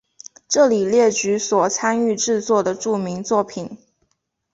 这里列举所参与制作的著名作品。